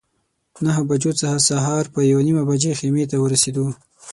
نهه بجو څخه سهار په یوه نیمه بجه خیمې ته ورسېدو.